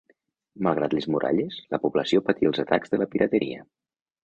Malgrat les muralles, la població patí els atacs de la pirateria.